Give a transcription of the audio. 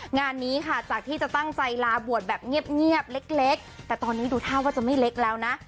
งานนี้ค่ะจากที่จะตั้งใจลาบวชแบบเงียบเล็กแต่ตอนนี้ดูท่าว่าจะไม่เล็กแล้วนะ